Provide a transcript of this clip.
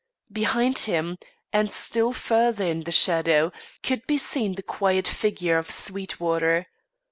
Behind him, and still further in the shadow, could be seen the quiet figure of Sweetwater.